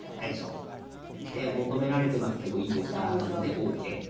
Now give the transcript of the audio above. で「求められてますけどいいですか？」なので「ＯＫ」です。